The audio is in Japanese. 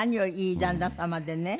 いい旦那様でね。